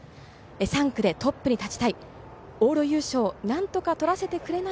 ３区でトップに立ちたい。